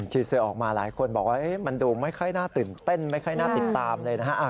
เสื้อออกมาหลายคนบอกว่ามันดูไม่ค่อยน่าตื่นเต้นไม่ค่อยน่าติดตามเลยนะฮะ